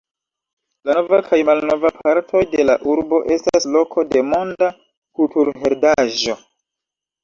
La nova kaj malnova partoj de la urbo estas loko de Monda kulturheredaĵo.